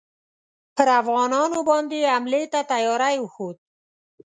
پر افغانانو باندي حملې ته تیاری وښود.